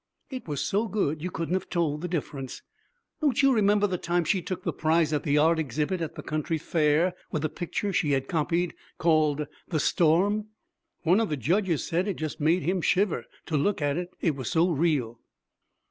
It was so good you couldn't have told the difference. Don't you remember the time she took the prize at the art exhibit at the country fair, with a picture she had copied, called The Storm? One of the judges said it just made him shiver to look at it, it was so real.'